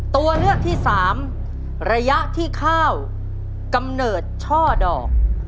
ตัวเลือกที่สามระยะที่ข้าวกำเนิดช่อดอก